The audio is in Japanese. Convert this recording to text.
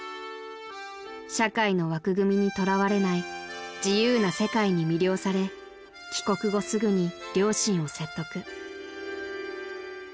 ［社会の枠組みにとらわれない自由な世界に魅了され帰国後すぐに両親を説得］